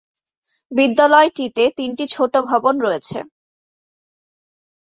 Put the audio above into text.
বিদ্যালয়টিতে তিনটি ছোট ভবন রয়েছে।